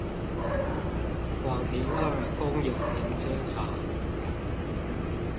廣停二公有停車場